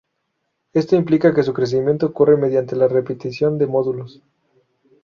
Esto implica que su crecimiento ocurre mediante la repetición de módulos.